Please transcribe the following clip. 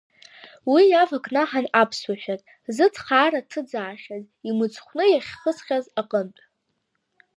Уи иавакнаҳан аԥсуа шәақь, зыҵхаара ҭыӡаахьаз, имыцхәны иахьхысхьаз аҟынтә.